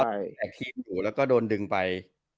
แบบทีมถูกแล้วก็โดนดึงไป